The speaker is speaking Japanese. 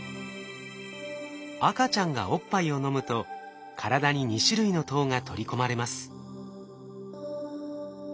赤ちゃんがおっぱいを飲むと体に２種類の糖が取り込まれます。